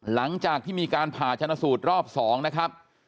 หลังจากที่มีการผ่าชนะสูตรรอบ๒นะครับ